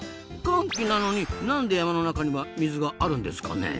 乾季なのになんで山の中には水があるんですかね？